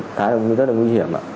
thái cũng rất là nguy hiểm ạ